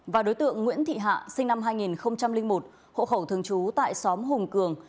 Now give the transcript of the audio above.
và đối tượng nguyễn thị hạ sinh năm hai nghìn một hộ khẩu thường trú tại xóm hùng cường